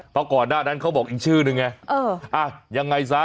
เพราะก่อนหน้านั้นเขาบอกอีกชื่อนึงไงเอออ่ะยังไงซะ